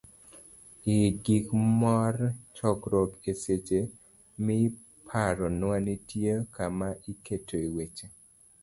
ii- Giko mar chokruok E weche miparonwa, nitie kama iketoe weche